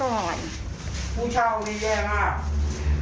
ผู้เช่านี้แย่มาก